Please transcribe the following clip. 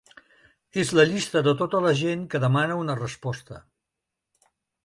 És la llista de tota la gent que demana una resposta.